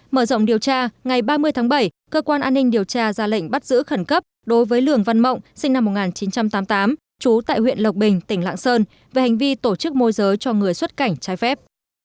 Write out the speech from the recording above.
mở rộng điều tra ngày ba mươi tháng bảy cơ quan an ninh điều tra ra lệnh bắt giữ khẩn cấp đối với lường văn mộng sinh năm một nghìn chín trăm tám mươi tám trú tại huyện lộc bình tỉnh lạng sơn về hành vi tổ chức môi giới cho người xuất cảnh trái phép